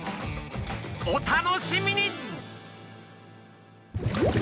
お楽しみに！